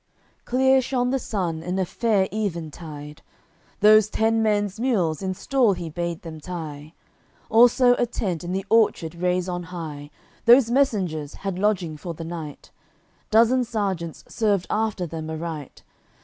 AOI. XI Clear shone the sun in a fair even tide; Those ten men's mules in stall he bade them tie. Also a tent in the orchard raise on high, Those messengers had lodging for the night; Dozen serjeants served after them aright.